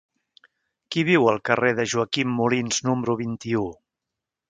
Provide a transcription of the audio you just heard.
Qui viu al carrer de Joaquim Molins número vint-i-u?